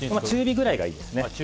中火ぐらいがいいですね。